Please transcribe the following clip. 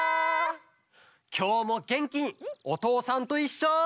きょうもげんきに「おとうさんといっしょ」。